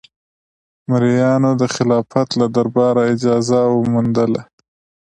مریانو د خلافت له دربار اجازه وموندله.